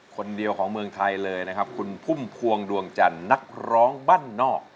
คนเดียวของเมืองไทยเลยนะครับคุณพุ่มพวงดวงจันทร์นักร้องบ้านนอก